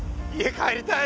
帰りたい！